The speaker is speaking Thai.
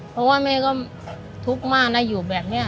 เพราะว่าแม่ก็ทุกข์มากนะอยู่แบบนี้